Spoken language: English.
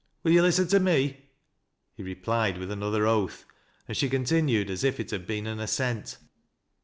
"Will yo' listen to me?" He replied with another oath, and she continued as if it had been an assent.